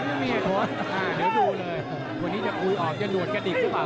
เดี๋ยวดูเลยวันนี้จะคุยออกจะหนวดกระดิกหรือเปล่า